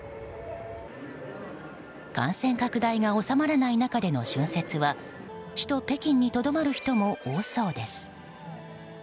感染拡大が収まらない中での春節は首都・北京にとどまる人も多そうです。